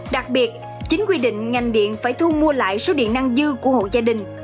đặc biệt chính quy định ngành điện phải thu mua lại số điện năng dư của hộ gia đình